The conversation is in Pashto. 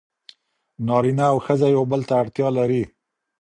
نارینه او ښځه یو بل ته اړتیا لري.